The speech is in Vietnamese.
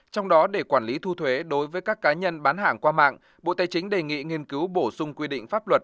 trong đó để quản lý thu thuế đối với các cá nhân bán hàng qua mạng bộ tài chính đề nghị nghiên cứu bổ sung quy định pháp luật